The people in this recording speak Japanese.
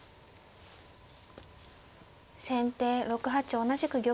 先手６八同じく玉。